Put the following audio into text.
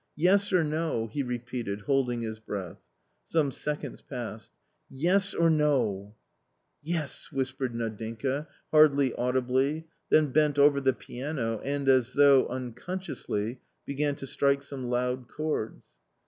"Yes or no?" he repeated, holding his breath. Some seconds passed. " Yes or no ?"" Yes !" whispered Nadinka, hardly audibly, then bent over the piano, and, as though unconsciously, began to strike some loud chords.